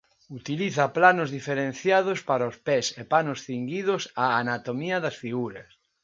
Utiliza planos diferenciados para os pes e panos cinguidos á anatomía das figuras.